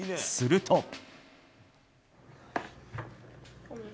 すると。